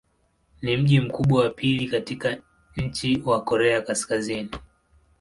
Ni mji mkubwa wa pili katika nchi wa Korea Kaskazini.